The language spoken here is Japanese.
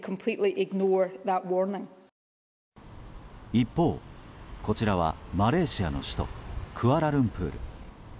一方こちらはマレーシアの首都クアラルンプール。